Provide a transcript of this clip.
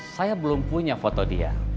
saya belum punya foto dia